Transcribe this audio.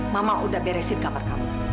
mama udah beresin kamar kamu